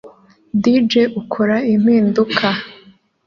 DJ ukora impinduka